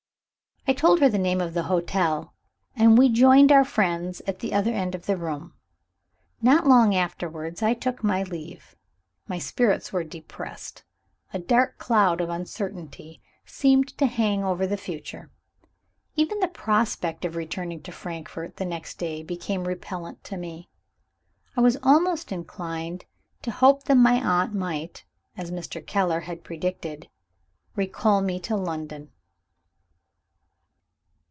I told her the name of the hotel; and we joined our friends at the other end of the room. Not long afterwards I took my leave. My spirits were depressed; a dark cloud of uncertainty seemed to hang over the future. Even the prospect of returning to Frankfort, the next day, became repellent to me. I was almost inclined to hope that my aunt might (as Mr. Keller had predicted) recall me to London.